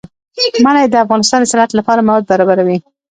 منی د افغانستان د صنعت لپاره مواد برابروي.